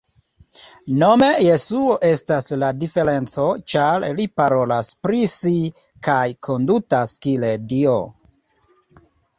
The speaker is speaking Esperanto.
Nome Jesuo estas la diferenco ĉar li parolas pri si kaj kondutas kiel Dio!